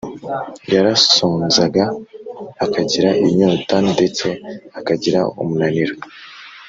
yarasonzaga, akagira inyota, ndetse akagira umunaniro